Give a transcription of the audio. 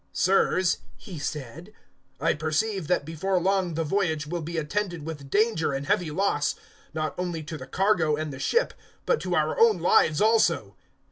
027:010 "Sirs," he said, "I perceive that before long the voyage will be attended with danger and heavy loss, not only to the cargo and the ship but to our own lives also."